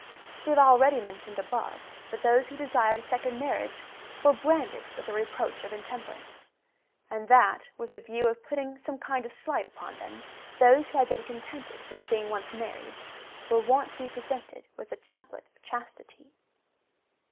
^ We have already mentioned above,^ that those who desired a second marriage were branded with the reproach of intemperance, and that, with the view of putting some kind of slight upon them, those who had been contented with being once married, were wont to be presented with the " chaplet of chastity."